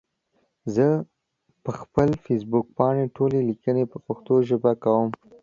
زه پخپل فيسبوک پاڼې ټولي ليکني په پښتو ژبه کوم